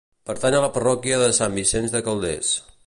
Pertany a la parròquia de Sant Vicenç de Calders.